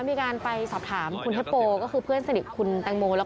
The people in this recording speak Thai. ที่มีการไปสอบถามคุณเฮปโปร์มีสลัดพันธิบายกับคุณเข้ามาแล้ว